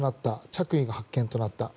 着衣が発見となった。